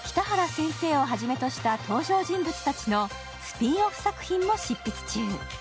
先生をはじめとした登場人物たちのスピンオフ作品も執筆中。